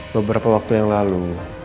beberapa waktu yang lalu